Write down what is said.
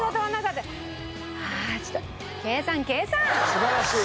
素晴らしい。